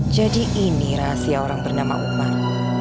jadi ini rahasia orang bernama umar